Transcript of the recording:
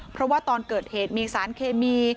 เพราะว่าตอนเกิดเหตุมีสารเคมี